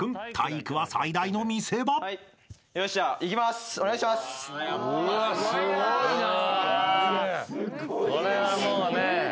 すごいな。